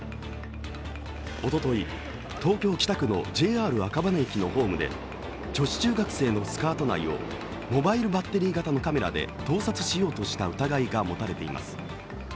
おととい、東京・北区のＪＲ赤羽駅のホームで女子中学生のスカート内をモバイルバッテリー型のカメラで盗撮しようとした疑いが持たれています。